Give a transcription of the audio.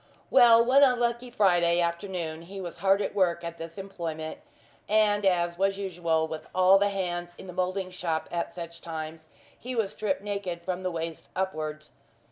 Well, one unlucky Friday afternoon he was hard at work at this employment, and as was usual with all the hands in the moulding shop at such times, he was stripped naked from the waist upwards.